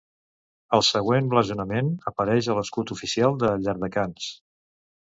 El següent blasonament apareix a l'escut oficial de Llardecans.